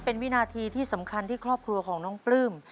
เป็นวินาทีที่สำคัญที่ครอบครัวของน้องปลื้ม